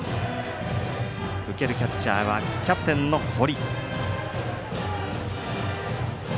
受けるキャッチャーはキャプテンの堀。